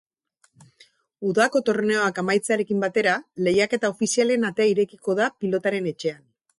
Udako torneoak amaitzearekin batera lehiaketa ofizialen atea irekiko da pilotaren etxean.